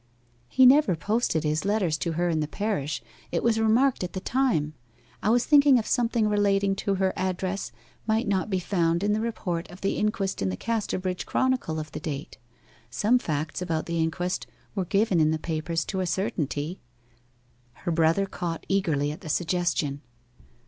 'He never posted his letters to her in the parish it was remarked at the time. I was thinking if something relating to her address might not be found in the report of the inquest in the Casterbridge Chronicle of the date. Some facts about the inquest were given in the papers to a certainty.' Her brother caught eagerly at the suggestion.